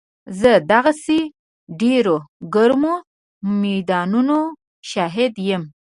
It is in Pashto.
زه د دغسې ډېرو ګرمو میدانونو شاهد یم.